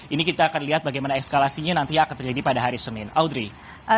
ini kita akan lihat bagaimana eskalasinya nanti akan terjadi pada hari senin audrey